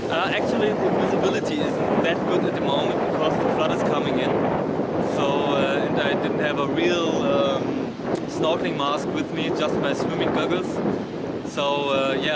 ya tapi kalian bisa melihatnya